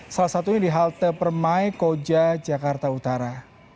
salah satunya di halte permai koja jakarta utara